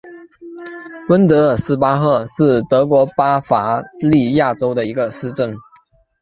温德尔斯巴赫是德国巴伐利亚州的一个市镇。